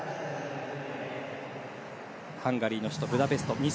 ハンガリーの首都ブダペスト